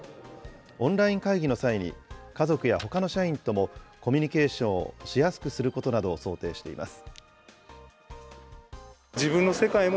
オンライン会議の際に家族やほかの社員とも、コミュニケーションをしやすくすることなどを想定しています。